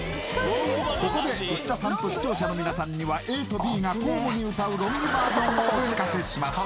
ここで内田さんと視聴者の皆さんにはＡとＢが交互に歌うロングバージョンをお聴かせします